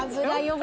はい。